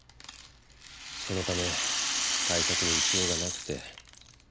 そのため対策の打ちようがなくて。